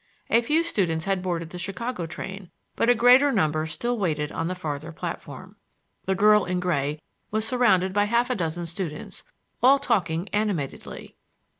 A few students had boarded the Chicago train, but a greater number still waited on the farther platform. The girl in gray was surrounded by half a dozen students, all talking animatedly.